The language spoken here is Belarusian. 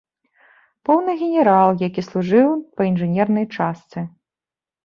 Поўны генерал, які служыў па інжынернай частцы.